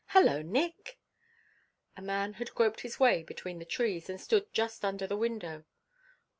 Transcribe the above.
Hello, Nick." A man had groped his way between the trees and stood just under the window.